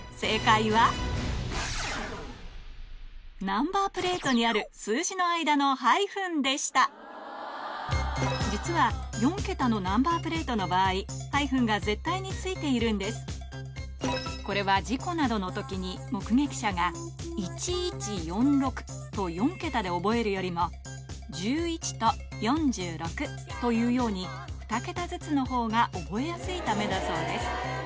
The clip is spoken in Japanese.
ナンバープレートにある数字の間のハイフンでした実は４ケタのナンバープレートの場合ハイフンが絶対に付いているんですこれは事故などの時に目撃者が１１４６と４ケタで覚えるよりも１１と４６というように２ケタずつのほうが覚えやすいためだそうです